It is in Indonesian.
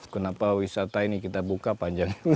kenapa wisata ini kita buka panjang